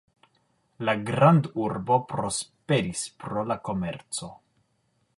La grandurbo prosperis pro la komerco.